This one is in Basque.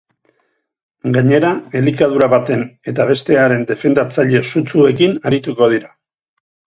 Gainera elikadura baten eta bestearen defendatzaile sutsuekin arituko dira.